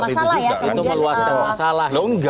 itu meluaskan masalah